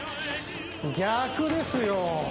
逆ですよ